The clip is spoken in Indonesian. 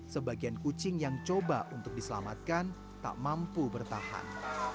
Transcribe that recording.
sebagian kucing yang coba untuk diselamatkan tak mampu bertahan